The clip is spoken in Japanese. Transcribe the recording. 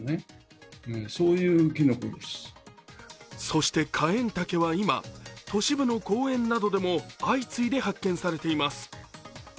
そしてカエンタケは今都市部の公園などでも相次いで発見されています。